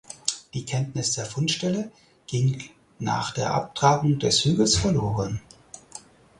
Die Kenntnis der Fundstelle ging nach der Abtragung des Hügels verloren.